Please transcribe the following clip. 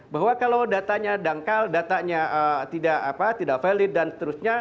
bahwa kalau datanya dangkal datanya tidak valid dan seterusnya